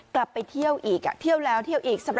กลับไปเที่ยวอีกเที่ยวแล้วเที่ยวอีก